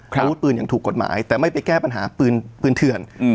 ครับวุฒิปืนอย่างถูกกฎหมายแต่ไม่ไปแก้ปัญหาปืนปืนเถื่อนอืม